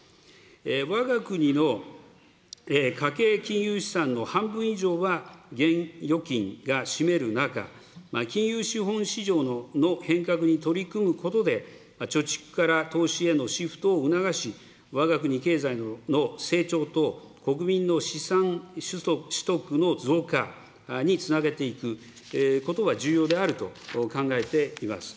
わが国の家計金融資産の半分以上は現預金が締める中、金融資本市場の変革に取り組むことで、貯蓄から投資へのシフトを促し、わが国経済の成長と、国民の資産取得の増加につなげていくことが重要であると考えています。